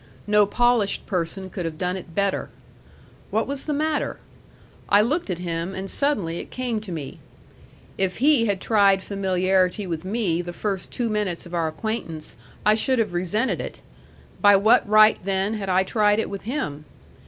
No polished person could have done it better. What was the matter? I looked at him, and suddenly it came to me. If he had tried familiarity with me the first two minutes of our acquaintance, I should have resented it; by what right, then, had I tried it with him?